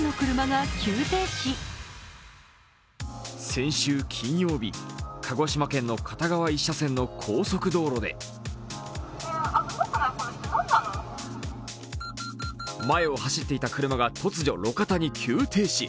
先週金曜日、鹿児島県の片側１車線の高速道路で前を走っていた車が突如、路肩に急停止。